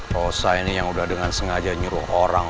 rosa ini yang udah dengan sengaja nyuruh orang